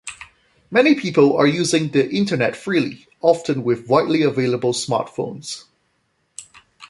Many people are using the internet freely, often with widely available smart phones.